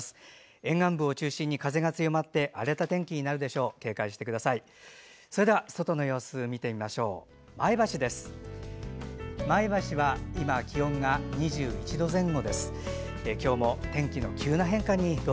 沿岸部を中心に風が強まって荒れた天気になるでしょう。